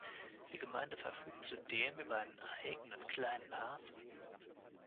Die Gemeinde verfügt zudem über einen eigenen kleinen Hafen.